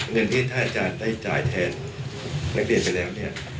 เงินเงินที่ถ้าอาจารย์ได้จ่ายแทนนักเรียนไปแล้ว